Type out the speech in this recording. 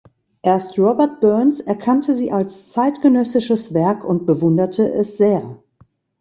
Erst Robert Burns erkannte sie als zeitgenössisches Werk und bewunderte es sehr.